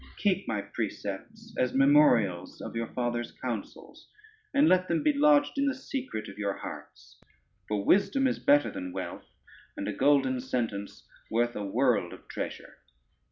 Keep my precepts as memorials of your father's counsels, and let them be lodged in the secret of your hearts; for wisdom is better than wealth, and a golden sentence worth a world of treasure.